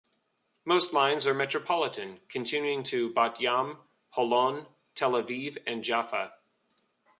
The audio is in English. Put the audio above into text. Most lines are metropolitan, continuing to Bat Yam, Holon, Tel Aviv and Jaffa.